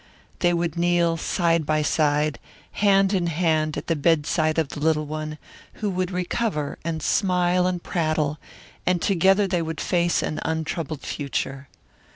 They would kneel side by side, hand in hand, at the bedside of the little one, who would recover and smile and prattle, and together they would face an untroubled future.